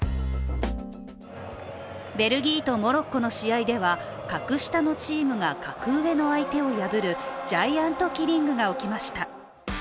ベルギーとモロッコの試合では格下のチームが格上の相手を破るジャイアントキリングが起きました。